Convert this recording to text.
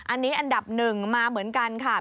อันนี้อันดับหนึ่งมาเหมือนกันค่ะ